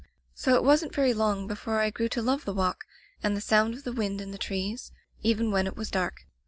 So it wasn't very long before I grew to love the walk, and the sound of the wind in the trees, even when it was dark.